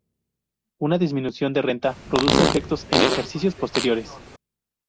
Una disminución de renta produce efectos en ejercicios posteriores.